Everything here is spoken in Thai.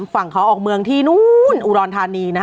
ฝั่งเขาออกเมืองที่นู่นอุดรธานี